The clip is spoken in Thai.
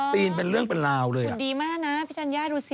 อ๋อเรอะคุณดีมากนะพี่ธัญญาดูสิคุณดี